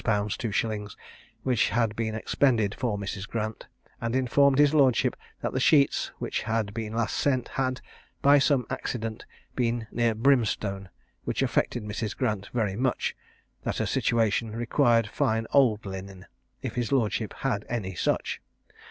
_ 2_s._ which had been expended for Mrs. Grant; and informed his lordship that the sheets which had been last sent, had, by some accident, been near brimstone, which affected Mrs. Grant very much; that her situation required fine old linen, if his lordship had any such.